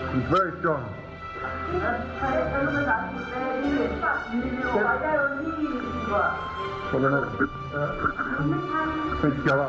วุทธพริกก็พบโอเคไปก่อนมากับกาก